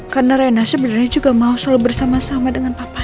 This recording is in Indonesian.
karena rena sebenarnya juga mau selalu bersama sama dengan pak aldebaran